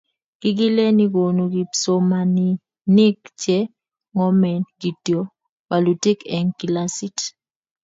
Kikileni konu kipsomaninik che ng'omen kityo walutik eng' kilasit.